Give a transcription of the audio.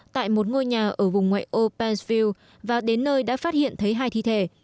tại một ngôi nhà ở vùng ngoại ô penceview và đến nơi đã phát hiện thấy hai thi thể